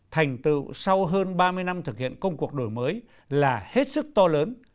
thành tựu sau hơn ba mươi năm thực hiện công cuộc đổi mới là hết sức to lớn